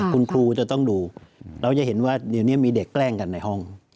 คุณครูจะต้องดูเราจะเห็นว่าเดี๋ยวนี้มีเด็กแกล้งกันในห้อง